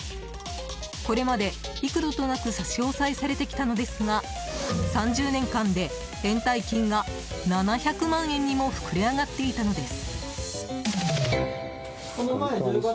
これまで幾度となく差し押さえされてきたのですが３０年間で、延滞金が７００万円にも膨れ上がっていたのです。